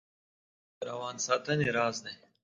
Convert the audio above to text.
اوبه د روان ساتنې راز دي